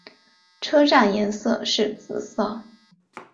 车站颜色是紫色。